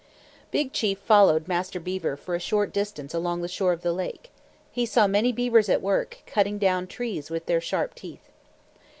Big Chief followed Master Beaver for a short distance along the shore of the lake. He saw many beavers at work cutting down trees with their sharp teeth.